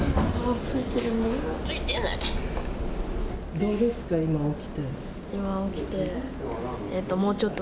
どうですか、今起きて。